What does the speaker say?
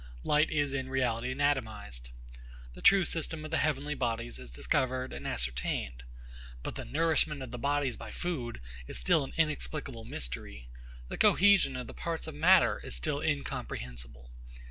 Light is in reality anatomised. The true system of the heavenly bodies is discovered and ascertained. But the nourishment of bodies by food is still an inexplicable mystery. The cohesion of the parts of matter is still incomprehensible.